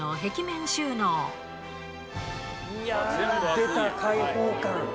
出た開放感！